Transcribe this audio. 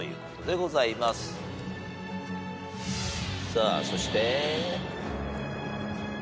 さあそして。